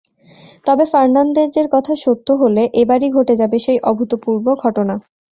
তবে ফার্নান্দেজের কথা সত্য হলে এবারই ঘটে যাবে সেই অভূতপূর্ব ঘটনা।